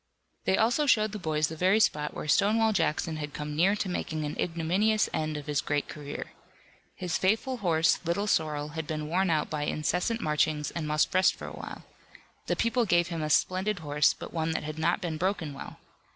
They also showed the boys the very spot where Stonewall Jackson had come near to making an ignominious end of his great career. His faithful horse, Little Sorrel, had been worn out by incessant marchings and must rest for a while. The people gave him a splendid horse, but one that had not been broken well.